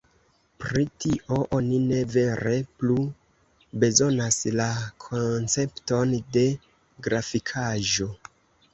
Pri tio oni ne vere plu bezonas la koncepton de grafikaĵo.